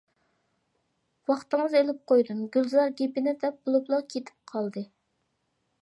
ۋاقتىڭىزنى ئېلىپ قويدۇم، -گۈلزار گېپىنى دەپ بولۇپلا كېتىپ قالدى.